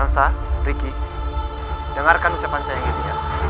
elsa ricky dengarkan ucapan saya yang ini ya